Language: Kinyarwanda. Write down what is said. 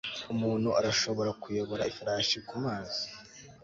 Umuntu arashobora kuyobora ifarashi kumazi